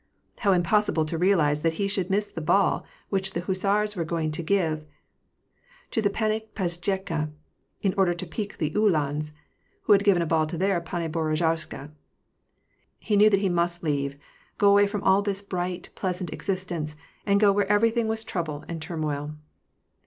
How impossible to realize that he should miss the ball which the hussars were going to give to the Pani Pscazdecska, in order to pique the Uhlans, who had given a ball to their Pani Borzjozowska ! He knew that he must leave, go away from all this bright, pleasant existence, and go where everything was trouble and turmoil.